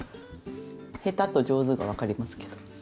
下手と上手がわかりますけど。